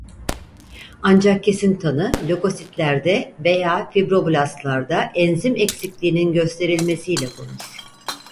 Ancak kesin tanı lökositlerde veya fibroblastlarda enzim eksikliğinin gösterilmesiyle konur.